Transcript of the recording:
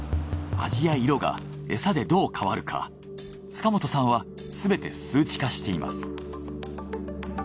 味や色がエサでどう変わるか塚本さんはすべて数値化しています。